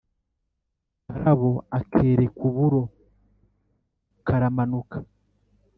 karabo akereka uburo karamanuka.